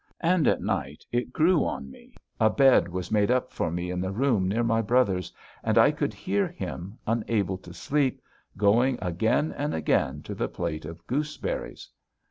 And at night it grew on me. A bed was made up for me in the room near my brother's and I could hear him, unable to sleep, going again and again to the plate of gooseberries.